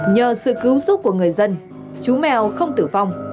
nhờ sự cứu giúp của người dân chú mèo không tử vong